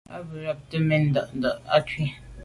A be ghubte mèn nda’nda’ à kwù.